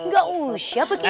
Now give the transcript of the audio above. gak usah bikin